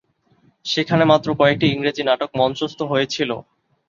সেখানে মাত্র কয়েকটি ইংরেজি নাটক মঞ্চস্থ হয়েছিল।